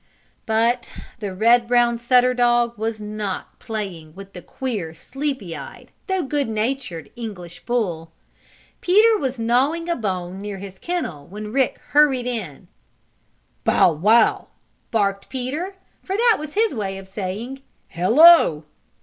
But the red brown setter dog was not playing with the queer sleepy eyed, though good natured English bull. Peter was gnawing a bone near his kennel when Rick hurried in. "Bow wow!" barked Peter, for that was his way of saying "Hello!"